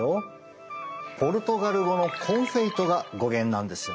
ポルトガル語の「コンフェイト」が語源なんですよね。